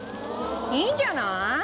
いいんじゃない？